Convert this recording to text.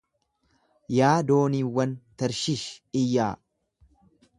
Yaa dooniiwwan Tarshish, iyyaa!